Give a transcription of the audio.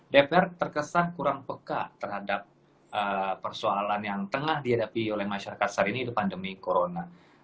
dpr terkesan kurang peka terhadap persoalan yang tengah dihadapi oleh masyarakat saat ini di pandemi corona